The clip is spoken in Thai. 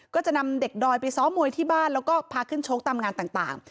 ก็จะนำเด็กดอยไปซ้อมมวยที่บ้านแล้วก็พาขึ้นชกตามงานต่าง